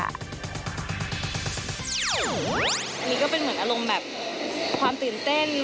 อันนี้ก็เป็นเหมือนอารมณ์แบบความตื่นเต้น